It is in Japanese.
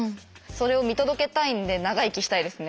それを見届けたいんで長生きしたいですね。